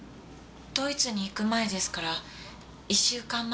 ドイツに行く前ですから１週間前です。